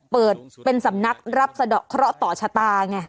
เปิดเป็นสำนักรับสะดอกเคราะห์ต่อชะตาไง